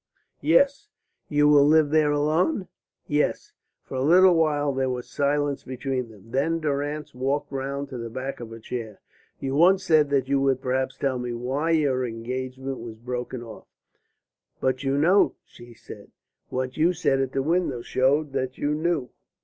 "Yes." "You will live there alone?" "Yes." For a little while there was silence between them. Then Durrance walked round to the back of her chair. "You once said that you would perhaps tell me why your engagement was broken off." "But you know," she said. "What you said at the window showed that you knew."